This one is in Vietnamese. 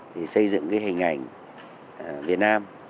thì xây dựng cái hình ảnh việt nam